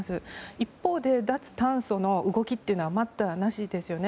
一方で脱炭素の動きというのは待ったなしですよね。